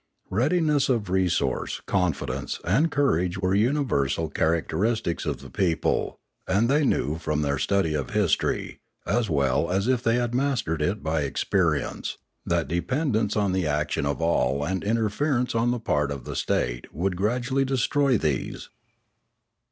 Readiness of re source, confidence, and courage were universal charac . teristics of the people, and they knew from their study of history, as well as if they had mastered it by experi ence, that dependence on the action of all and interfer ence on the part of the state would gradually destroy these.